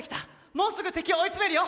もうすぐ敵を追い詰めるよ！